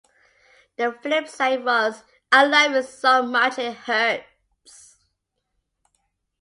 The flip side was "I Love You So Much It Hurts".